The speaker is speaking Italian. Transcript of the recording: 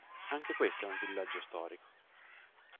Anche questo è un villaggio storico.